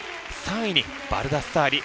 ３位にバルダッサーリ。